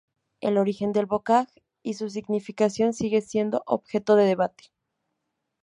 El origen del bocage y su significación sigue siendo objeto de debate.